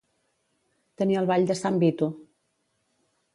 Tenir el ball de sant Vito.